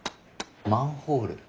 マンホール。